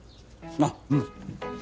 あっうん。